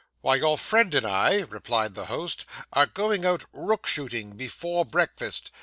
'Why, your friend and I,' replied the host, 'are going out rook shooting before breakfast.